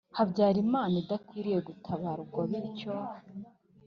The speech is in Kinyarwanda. habyarimana idakwiriye gutabarwa, bityo,